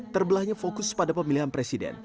terbelahnya fokus pada pemilihan presiden